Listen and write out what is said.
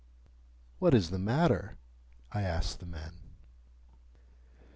"What is the matter?" I asked the men.